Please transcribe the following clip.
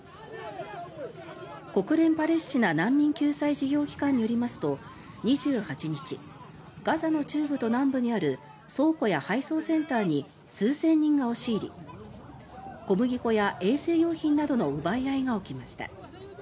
国連パレスチナ難民救済事業機関によりますと２８日、ガザの中部と南部にある倉庫や配送センターに数千人が押し入り小麦粉や衛生用品などの奪い合いが起きました。